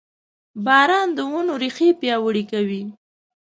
• باران د ونو ریښې پیاوړې کوي.